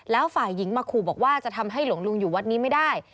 แล้วฝ่ายหญิงมาขู่บอกว่าจะทำให้หลวงลุงอยู่วัดนี้ไม่ได้